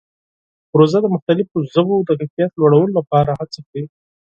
پروژه د مختلفو ژبو د کیفیت لوړولو لپاره هڅه کوي.